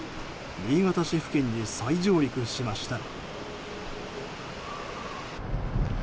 新潟市付近に再上陸しました。